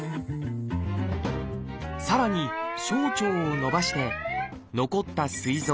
さらに小腸を伸ばして残ったすい臓